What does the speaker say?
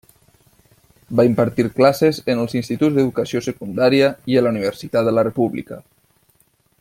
Va impartir classes en els instituts d'educació secundària i a la Universitat de la República.